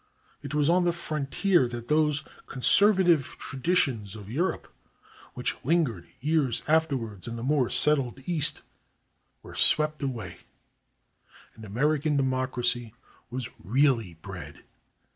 It was on the frontier that those conservative traditions of Europe, which lingered years afterwards in the more settled East, were swept away, and American democracy was really bred.